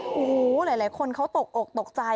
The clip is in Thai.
โอ้โหหลายคนเขาตกอกตกใจ